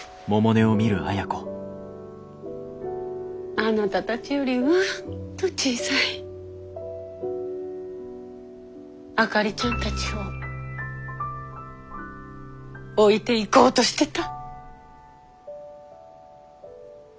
あなたたちよりうんと小さいあかりちゃんたちを置いていこうとしてた。